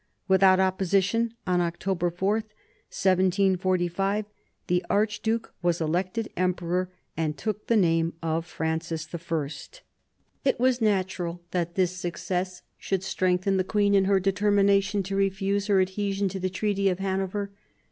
Without opposi tion, on October 4, 1745, the archduke was elected emperor, and took the name of Francis I. 40 MARIA THERESA chap, h It was natural that this success should strengthen the queen in her determination to refuse her adhesion to the Treaty of Hanover.